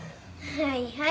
はいはい。